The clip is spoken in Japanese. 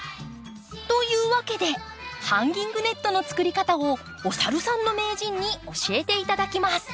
というわけでハンギングネットの作り方をおさるさんの名人に教えて頂きます。